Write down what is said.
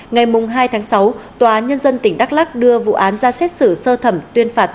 ngày hai tháng sáu tòa nhân dân tỉnh đắk lắc đưa vụ án ra xét xử sơ thẩm tuyên phạt